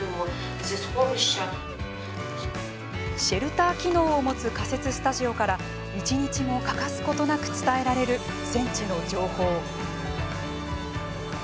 シェルター機能を持つ仮設スタジオから一日も欠かすことなく伝えられる戦地の情報。